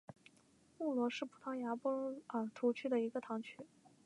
穆罗是葡萄牙波尔图区的一个堂区。